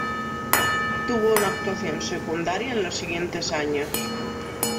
Tuvo una actuación secundaria en los siguientes años.